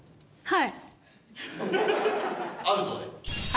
はい！